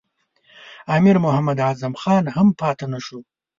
امیر محمد اعظم خان هم پاته نه شو.